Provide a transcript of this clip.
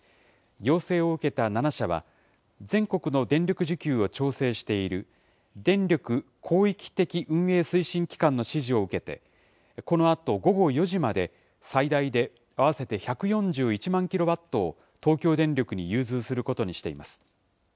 要請を受けた７社は、全国の電力需給を調整している、電力広域的運営推進機関の指示を受けて、このあと午後４時まで、最大で合わせて１４１万キロワットを東京電力に融通することにしています。